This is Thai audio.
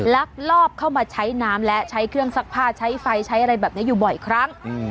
ลักลอบเข้ามาใช้น้ำและใช้เครื่องซักผ้าใช้ไฟใช้อะไรแบบนี้อยู่บ่อยครั้ง